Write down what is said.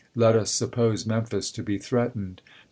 Let us suppose Memphis to be threatened.